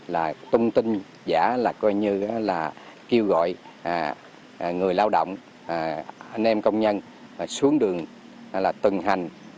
là tung tin giả là coi như là kêu gọi người lao động anh em công nhân xuống đường là từng hành